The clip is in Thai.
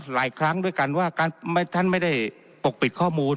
หลายครั้งด้วยกันว่าท่านไม่ได้ปกปิดข้อมูล